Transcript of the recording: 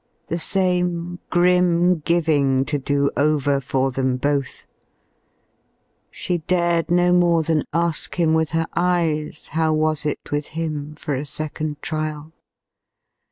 The same Grim giving to do over for them both. She dared no more than ask him with her eyes How was it with him for a second trial.